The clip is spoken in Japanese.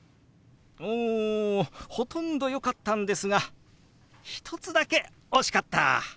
おほとんどよかったんですが１つだけ惜しかった！